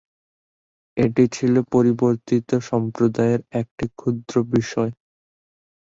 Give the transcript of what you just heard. এটি ছিল পরিবর্তিত সম্প্রদায়ের একটি ক্ষুদ্র বিষয়।